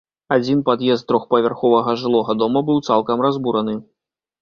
Адзін пад'езд трохпавярховага жылога дома быў цалкам разбураны.